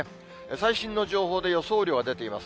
最新の情報で予想雨量が出ています。